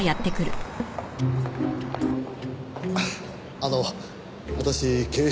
あの私警視庁の。